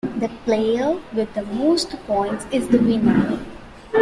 The player with the most points is the winner.